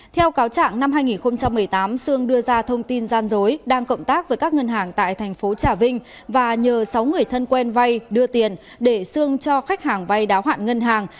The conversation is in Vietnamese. theo cáo trạng năm hai nghìn một mươi tám sương đưa ra thông tin gian dối đang cộng tác với các ngân hàng tại thành phố trà vinh và nhờ sáu người thân quen vay đưa tiền để sương cho khách hàng vay đáo hạn ngân hàng